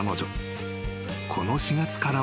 この４月からは］